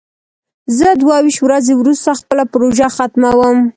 زه دوه ویشت ورځې وروسته خپله پروژه ختموم.